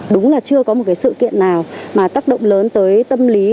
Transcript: đúng là chưa có một cái sự kiện nào mà tác động lớn tới tâm lý